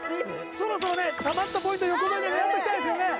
そろそろねたまったポイント横取りで狙っていきたいですよね